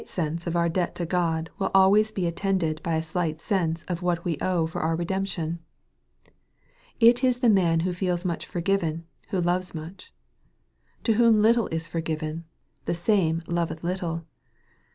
35; Bense of our debt to God will always be attended by a slight sense of what we owe for our redemption. It is the man who feels much forgiven who loves much. " To whom little is forgiven, the same loveth little."